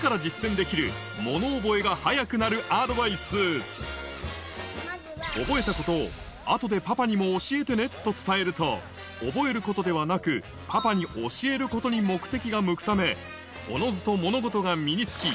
ここでてぃ先生直伝覚えたことを「後でパパにも教えてね」と伝えると覚えることではなくパパに教えることに目的が向くためおのずと物事が身につき